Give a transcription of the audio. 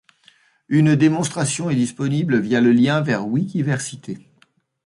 Une démonstration est disponible via le lien vers Wikiversité.